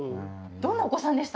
どんなお子さんでした？